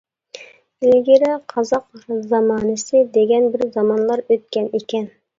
ئىلگىرى قازاق زامانىسى دېگەن بىر زامانلار ئۆتكەن ئىكەن.